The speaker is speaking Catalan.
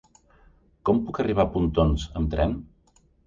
Com puc arribar a Pontons amb tren?